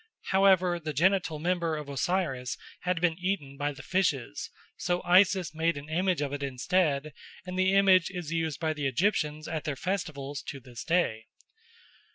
However, the genital member of Osiris had been eaten by the fishes, so Isis made an image of it instead, and the image is used by the Egyptians at their festivals to this day.